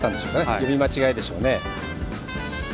読み間違えでしょうね。